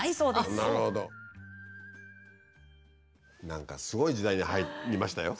何かすごい時代に入りましたよ。